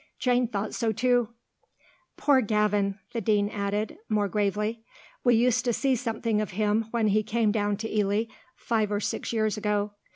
Jane thought so too. "Poor Gavin," the Dean added, more gravely; "we used to see something of him when he came down to Ely, five or six years ago.